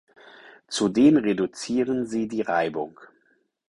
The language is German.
Zudem reduzieren sie die Reibung.